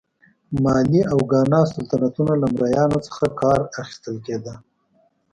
مالي او ګانا سلطنتونه له مریانو څخه کار اخیستل کېده.